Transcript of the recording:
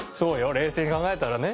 冷静に考えたらね。